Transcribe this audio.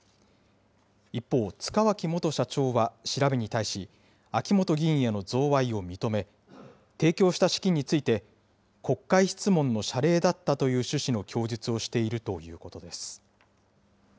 一方、塚脇元社長は調べに対し、秋本議員への贈賄を認め、提供した資金について、国会質問の謝礼だったという趣旨の供述をしているということです。